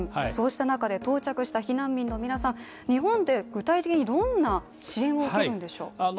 そうした中で到着した避難民の皆さん、日本で具体的にどんな支援を受けるんでしょう？